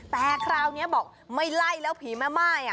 แต่คราวนี้บอกไม่ไล่แล้วผีแม่ม่าย